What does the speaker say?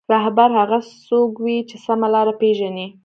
رهبر هغه څوک وي چې سمه لاره پېژني.